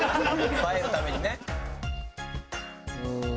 映えるためにね。